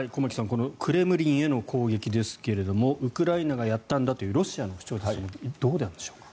このクレムリンへの攻撃ですがウクライナがやったんだというロシアの主張ですがどうなんでしょうか？